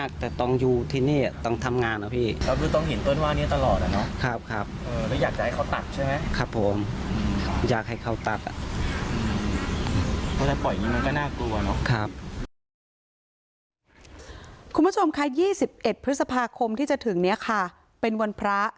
คุณผู้ชมค่ะ๒๑พฤษภาคมที่จะถึงนี้ค่ะเป็นวันพระ